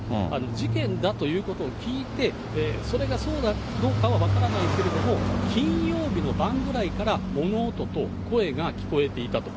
事件だということを聞いて、それがそうかどうかは分からないけれども、金曜日の晩ぐらいから物音と声が聞こえていたと。